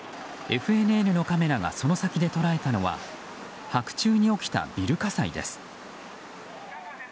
ＦＮＮのカメラがその先で捉えたのは白昼に起きたビル火災です。